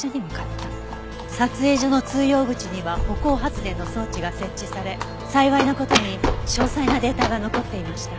撮影所の通用口には歩行発電の装置が設置され幸いな事に詳細なデータが残っていました。